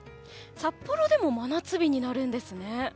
札幌でも真夏日になるんですね。